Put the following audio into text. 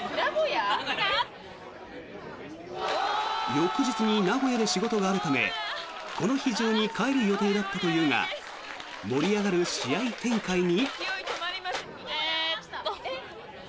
翌日に名古屋で仕事があるためこの日中に帰る予定だったというが盛り上がる試合展開に。